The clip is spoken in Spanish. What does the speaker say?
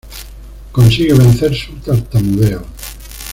Consigue vencer su tartamudeo.